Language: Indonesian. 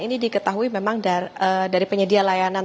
ini diketahui memang dari penyedia layanan